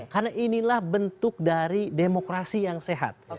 karena inilah bentuk dari demokrasi yang sehat